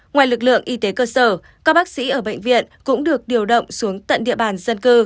ngoài lực lượng y tế cơ sở các bác sĩ ở bệnh viện cũng được điều động xuống tận địa bàn dân cư